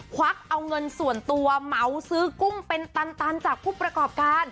วักเอาเงินส่วนตัวเหมาซื้อกุ้งเป็นตันจากผู้ประกอบการ